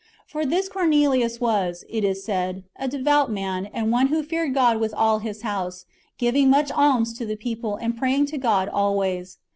For this Cornelius was, it is said, " a devout man, and one who feared God with all his house, giving much alms to the people, and praying to God always.